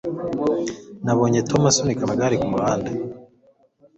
Nabonye Tom asunika amagare kumuhanda.